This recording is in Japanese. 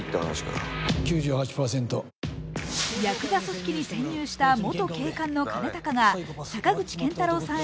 ヤクザ組織に潜入した元警官の兼高が坂口健太郎さん